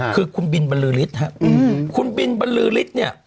คือคุณบินบรรลือฤทธิ์ฮะคุณบินบรรลือฤทธิ์เนี่ย